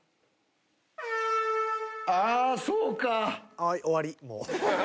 はい終わりもう。